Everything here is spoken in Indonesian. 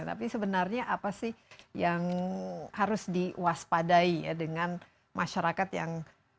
tapi sebenarnya apa sih yang harus diwaspadai ya dengan masyarakat yang